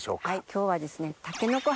今日はですね。